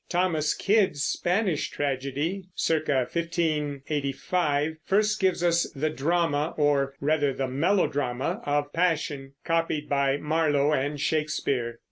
Thomas Kyd's Spanish Tragedy (c. 1585) first gives us the drama, or rather the melodrama, of passion, copied by Marlowe and Shakespeare.